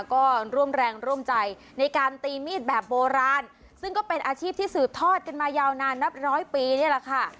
ก็ร่วมแรงร่วมใจในการตีมีดแบบโบราณซึ่งก็เป็นอาชีพที่สืบทอดกันมายาวนานนับร้อยปีนี่แหละค่ะ